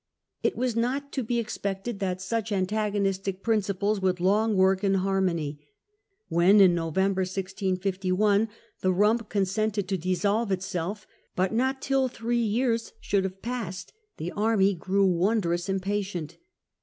It was not to be expected that such antagonistic principles would long work in harmony. When in November, 165 1, the " Rump" consented to dis solve itself, but not till three years should have passed, the Army grew wondrous impatient.